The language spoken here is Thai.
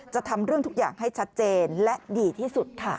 ทำเรื่องทุกอย่างให้ชัดเจนและดีที่สุดค่ะ